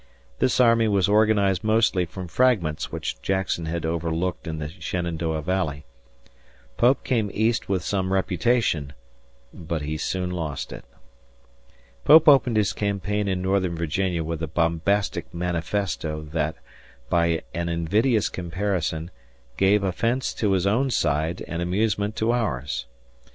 This army was organized mostly from fragments which Jackson had overlooked in the Shenandoah Valley. Pope came East with some reputation, but he soon lost it. Pope opened his campaign in northern Virginia with a bombastic manifesto that, by an invidious comparison, gave offense to his own side and amusement to ours.